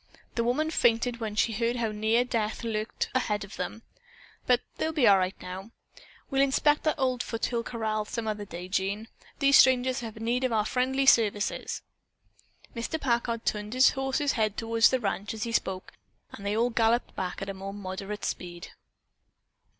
The woman fainted when she heard how near death lurked ahead of them, but they'll be all right now. We'll inspect that old foothill corral some other day, Jean. These strangers have need of our friendly services." Mr. Packard turned his horse's head toward the ranch as he spoke and they all galloped back at a moderate speed.